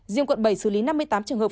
riêng quận bảy xử lý năm mươi tám trường hợp